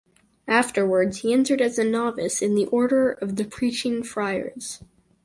Afterwards he entered as a novice in the Order of the preaching friars.